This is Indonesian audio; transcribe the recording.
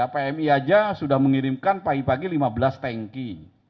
pmi saja sudah mengirimkan pagi pagi lima belas tanki